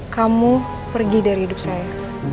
kamu pergi dari hidup saya